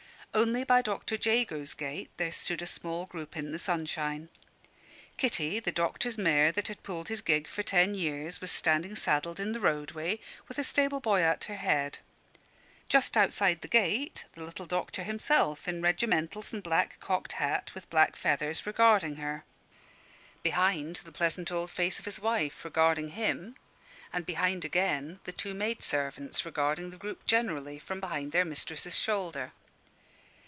Only by Dr. Jago's gate there stood a small group in the sunshine. Kitty, the doctor's mare that had pulled his gig for ten years, was standing saddled in the roadway, with a stable boy at her head; just outside the gate, the little doctor himself in regimentals and black cocked hat with black feathers, regarding her; behind, the pleasant old face of his wife, regarding him; and, behind again, the two maid servants regarding the group generally from behind their mistress's shoulder.